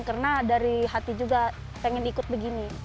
karena dari hati juga pengen ikut begini